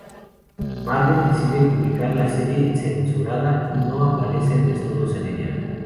Marvel decide publicar la serie censurada y no aparecen desnudos en ella.